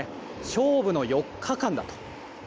勝負の４日間だと。